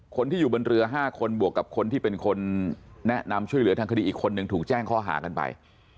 คนที่อยู่บนเรือ๕คนบวกกับคนที่เป็นคนแนะนำช่วยเหลือทางคดีอีกคนนึงถูกแจ้งข้อหากันไป